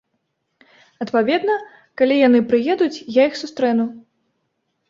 Адпаведна, калі яны прыедуць, я іх сустрэну.